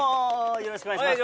よろしくお願いします